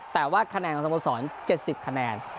แต่ว่าคะแนนของสโมสร๗๐คะแนน